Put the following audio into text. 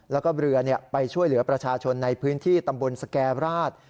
แล้วก็เรือไปช่วยเหลือประชาชนในพื้นที่ตำบลสแก่ราช